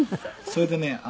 「それでね